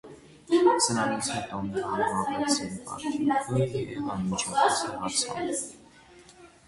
Սրանից հետո նրանք վառեցին պատրույգը և անմիջապես հեռացան։